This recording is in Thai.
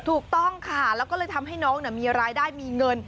ถูกต้องค่ะแล้วก็เลยทำให้น้องมีรายได้มีเงิน